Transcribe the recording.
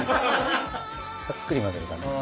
さっくり混ぜる感じ。